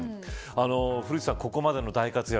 古内さん、ここまでの大活躍